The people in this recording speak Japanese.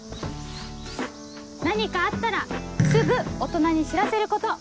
何かあったらすぐ大人に知らせること。